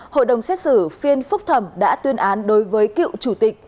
hội đồng xét xử phiên phúc thẩm đã tuyên án đối với cựu chủ tịch